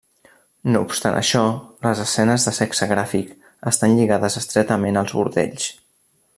No obstant això, les escenes de sexe gràfic estan lligades estretament als bordells.